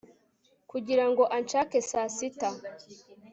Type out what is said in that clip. kugira ngo anshake saa sita